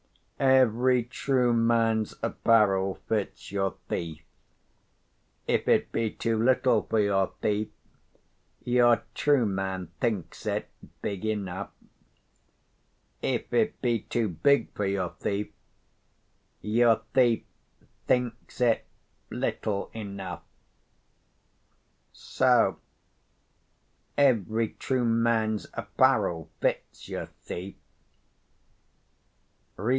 _ Every true man's apparel fits your thief: if it be too little for your thief, your true man thinks it big 40 enough; if it be too big for your thief, your thief thinks it little enough: so every true man's apparel fits your thief.